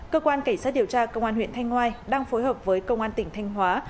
cơ quan cảnh sát điều tra công an huyện thanh ngoai đang phối hợp với công an tỉnh thanh hóa